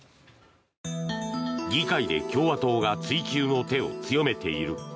議会で共和党が追及の手を強めている。